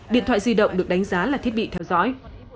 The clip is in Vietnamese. điện thoại di động được đánh giá là thiết bị theo dõi